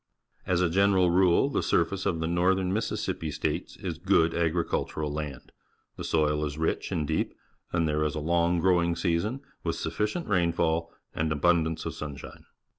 As a general rule, the surface of the North ern Mississippi States is good agricultural land. The soil is rich and deep, and there is a long growing season, with sufficient rainfall and abundance of sunshine.